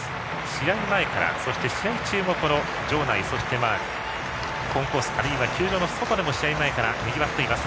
試合前から、そして試合中も場内そしてコンコースあるいは球場の外でもにぎわっています。